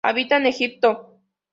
Habita en Egipto.